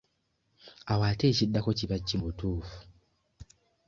Awo ate ekiddako kiba ki mu butuufu?